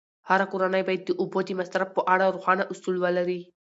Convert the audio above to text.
هره کورنۍ باید د اوبو د مصرف په اړه روښانه اصول ولري.